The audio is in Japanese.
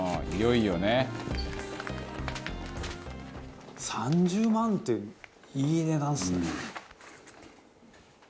「いよいよね」「３０万っていい値段ですね」